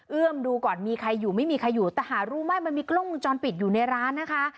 ดูก่อนมีใครอยู่ไม่มีใครอยู่แต่หารู้ไหมมันมีกล้องวงจรปิดอยู่ในร้านนะคะ